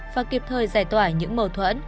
và kịp thời giải tỏa những mầu thuẫn